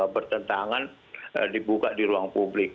bertentangan dibuka di ruang publik